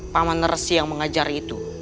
paman nersi yang mengajar itu